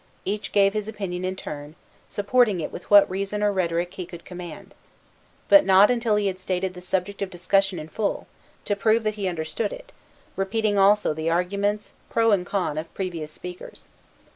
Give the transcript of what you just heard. Each gave his opinion in turn, supporting it with what reason or rhetoric he could command, but not until he had stated the subject of discussion in full, to prove that he understood it, repeating also the arguments, pro and con, of previous speakers.